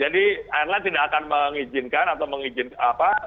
airline tidak akan mengizinkan atau mengizinkan apa